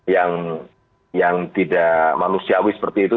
yang tidak manusiawi seperti itu